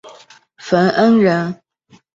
冯恩人。